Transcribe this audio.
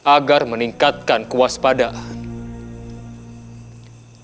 agar meningkatkan kewaspadaan